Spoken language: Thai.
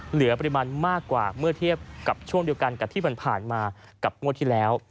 เหลือปริมาณมากกว่าเมื่อเทียบกับช่วงเดียวกันกับที่ผ่านมากับงวดที่แล้ว